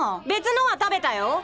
別のは食べたよ！